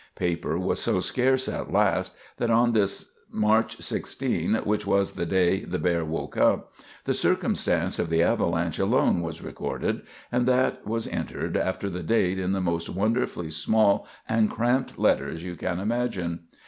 Paper was so scarce at last that on this March 16, which was the day the bear woke up, the circumstance of the avalanche alone was recorded, and that was entered after the date in the most wonderfully small and cramped letters you can imagine.